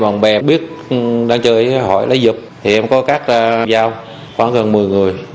đã có mấy anh em bạn bè biết đang chơi hỏi lấy dụng thì em có cắt ra giao khoảng gần một mươi người